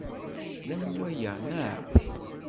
Teslam i waya, naɣ?